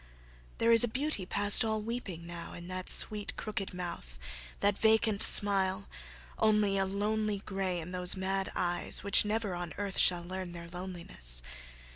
There is a beauty past all weeping now In that sweet, crooked mouth, that vacant smile; Only a lonely grey in those mad eyes, Which never on earth shall learn their loneliness.